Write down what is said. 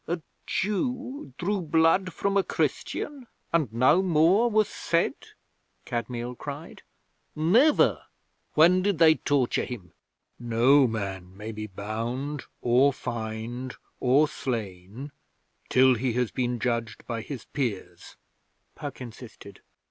'A Jew drew blood from a Christian and no more was said?' Kadmiel cried. 'Never! When did they torture him?' 'No man may be bound, or fined, or slain till he has been judged by his peers,' Puck insisted.